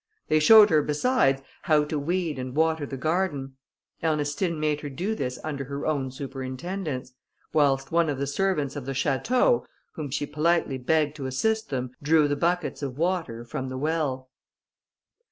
They showed her, besides, how to weed and water the garden. Ernestine made her do this under her own superintendence, while one of the servants of the château, whom she politely begged to assist them, drew the buckets of water from the well.